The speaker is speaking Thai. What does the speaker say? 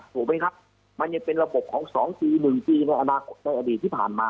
ถูกไหมครับมันยังเป็นระบบของ๒ปี๑ปีในอนาคตในอดีตที่ผ่านมา